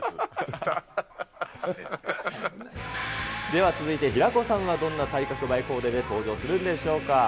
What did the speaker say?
では続いて平子さんはどんな体格映えコーデで登場するんでしょうか。